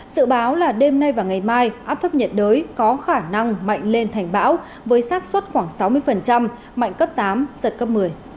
sự báo là đêm nay và ngày mai áp thấp nhiệt đới có khả năng mạnh lên thành bão với sát xuất khoảng sáu mươi mạnh cấp tám giật cấp một mươi